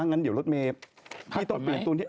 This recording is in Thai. งั้นเดี๋ยวรถเมย์พี่ต้องเปลี่ยนตรงนี้